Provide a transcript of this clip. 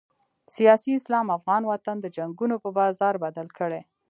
سیاسي اسلام افغان وطن د جنګونو په بازار بدل کړی.